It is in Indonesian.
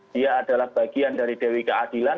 dia adalah bagian dari dewi keadilan